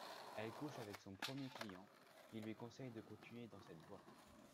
Elle couche avec son premier client qui lui conseille de continuer dans cette voie.